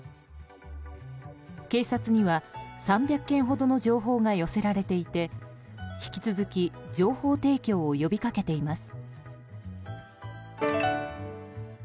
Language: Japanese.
警察には、３００件ほどの情報が寄せられていて引き続き情報提供を呼びかけています。